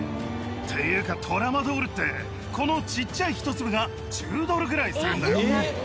っていうか、トラマドールって、このちっちゃい１粒が１０ドルぐらいするんだよ。